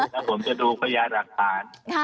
ถ้าผมจะดูประยาทรักษา